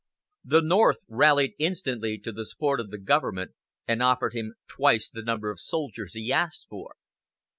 The North rallied instantly to the support of the Government, and offered him twice the number of soldiers he asked for.